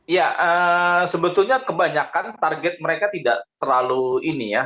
ya sebetulnya kebanyakan target mereka tidak terlalu ini ya